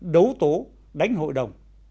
đấu tố đánh hội đồng